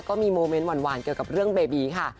โมเมนต์หวานเกี่ยวกับเรื่องเบบีค่ะ